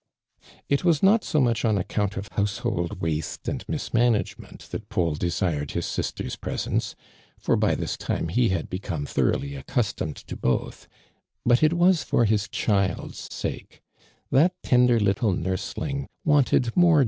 It was not so much on account of household waste and mismanagement that Paul desired his sister's presence, for by this time he had l)ecome thoroughly accustomeil to both, but it was foi' his chiUl's .sake. That tender little nursling wanted more.